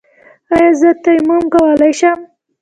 ایا زه تیمم کولی شم؟